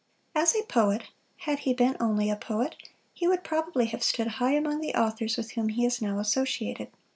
As a poet, had he been only a poet, he would probably have stood high among the authors with whom he is now associated.